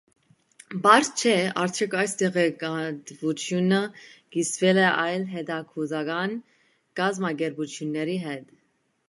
Պարզ չէ, արդյոք այս տեղեկատվությունը կիսվել է այլ հետախուզական կազմակերպությունների հետ։